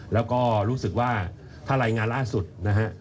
แล้วก็รู้สึกว่าถ้ารายงานล่าสุดนะฮะ